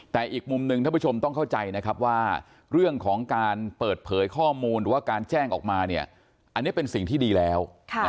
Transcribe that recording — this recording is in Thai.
แต่อีกมุมหนึ่งท่านผู้ชมต้องเข้าใจนะครับว่าเรื่องของการเปิดเผยข้อมูลหรือว่าการแจ้งออกมาเนี่ยอันนี้เป็นสิ่งที่ดีแล้ว